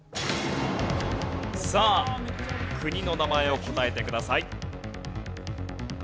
さあ国の名前を答えてください。